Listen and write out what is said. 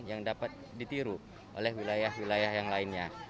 yang dapat ditiru oleh wilayah wilayah yang lainnya